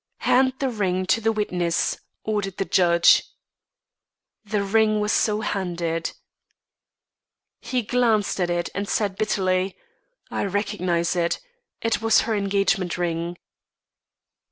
"Hand the ring to the witness," ordered the judge. The ring was so handed. He glanced at it, and said bitterly: "I recognise it. It was her engagement ring."